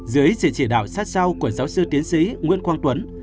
dưới sự chỉ đạo sát sao của giáo sư tiến sĩ nguyễn quang tuấn